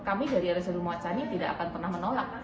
kami dari residu muacani tidak akan pernah menolak